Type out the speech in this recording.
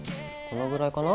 このぐらいかな？